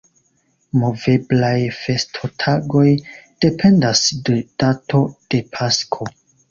Moveblaj festotagoj dependas de dato de Pasko.